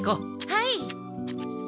はい。